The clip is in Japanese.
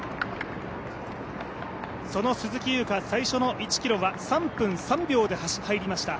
その鈴木優花最初の１ｋｍは３分３秒で入りました。